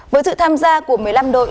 với sự tham gia của một mươi năm đội